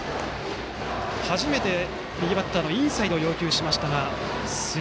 初めて右バッターのインサイドを要求しました。